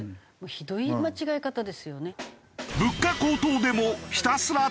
ひどい間違え方ですよね。